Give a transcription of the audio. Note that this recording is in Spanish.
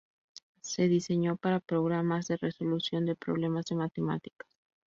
Se diseñó para programas de resolución de problemas de matemática.